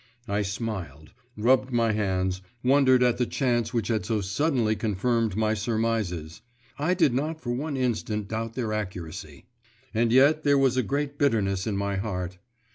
I smiled, rubbed my hands, wondered at the chance which had so suddenly confirmed my surmises (I did not for one instant doubt their accuracy) and yet there was a great bitterness in my heart.